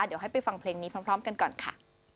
เดี๋ยวให้ไปฟังเพลงนี้พร้อมกันก่อนค่ะ